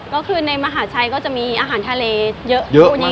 ก็คือในมหาชัยก็จะมีอาหารทะเลเยอะคู่นี้